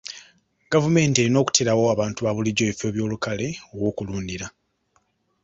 Gavumenti erina okuteerawo abantu ba bulijjo ebifo by'olukale aw'okulundira.